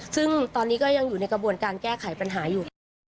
ซึ่งตอนนี้ก็ยังอยู่ในกระบวนการแก้ไขปัญหาอยู่ค่ะ